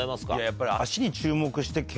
やっぱり。